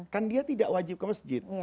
kan dia tidak wajib ke masjid